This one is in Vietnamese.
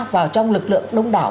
vào trong lực lượng đông đảo